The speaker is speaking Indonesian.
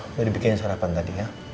udah dibikinin sarapan tadi ya